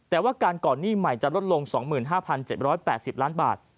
แต่ว่าการก่อนหนี้ใหม่จะลดลง๒๕๗๘๐ล้านบาท